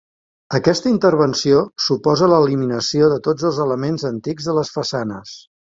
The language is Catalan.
Aquesta intervenció suposa l'eliminació de tots els elements antics de les façanes.